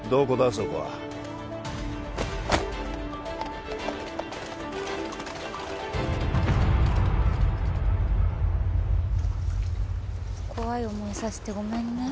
そこは怖い思いさせてごめんね